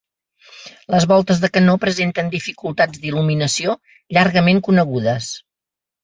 Les voltes de canó presenten dificultats d'il·luminació llargament conegudes.